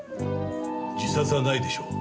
自殺はないでしょう。